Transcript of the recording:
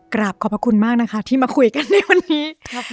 กราบขอบพระคุณมากนะคะที่มาคุยกันในวันนี้